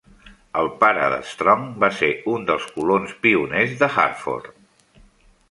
El pare d'Strong va ser un dels colons pioners de Hartford.